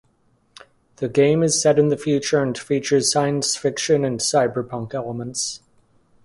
The game is set in the future and features science fiction and cyberpunk elements.